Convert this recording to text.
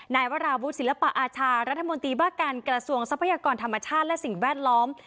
นายวราวุฒิศิลปะอาชารัฐมนตรีว่าการกระทรวงทรัพยากรธรรมชาติและสิ่งแวดล้อม